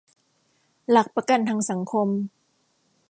หลักประกันทางสังคม